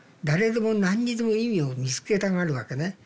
誰でも何にでも意味を見つけたがるわけね。